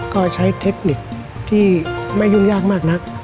ก็ใช้เทคนิคที่ไม่ยุ่งยากมากนัก